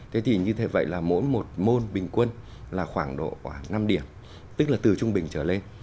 thế thì như thế vậy là mỗi một môn bình quân là khoảng độ khoảng năm điểm tức là từ trung bình trở lên